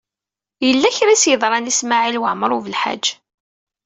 Yella kra i s-yeḍṛan i Smawil Waɛmaṛ U Belḥaǧ.